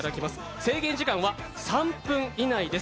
制限時間は３分以内です。